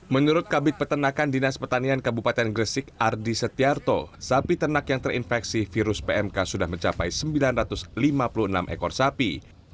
menurut kabit peternakan dinas pertanian kabupaten gresik ardi setiarto sapi ternak yang terinfeksi virus pmk sudah mencapai sembilan ratus lima puluh enam ekor sapi